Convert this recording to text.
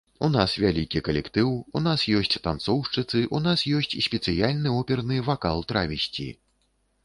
У нас вялікі калектыў, у нас ёсць танцоўшчыцы, у нас ёсць спецыяльны оперны вакал-травесці.